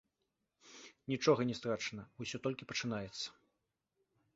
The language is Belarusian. Нічога не страчана, усё толькі пачынаецца!